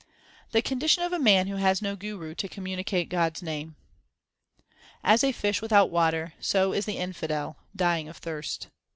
The condition of a man who has no Guru to com municate God s name : As a fish without water, so is the infidel dying of thirst.